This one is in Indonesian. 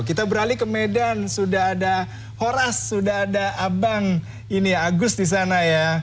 kita beralih ke medan sudah ada horas sudah ada abang agus disana ya